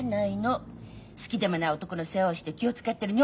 好きでもない男の世話をして気を遣ってる女房の気持ちなんか。